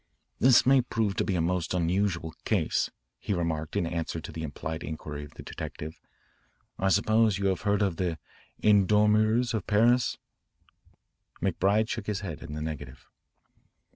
"This may prove to be a most unusual case," he remarked in answer to the implied inquiry of the detective. "I suppose you have heard of the 'endormeurs' of Paris?" McBride shook his head in the negative.